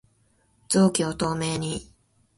臓器を透明に